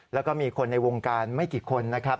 แล้วก็มีคนในวงการไม่กี่คนนะครับ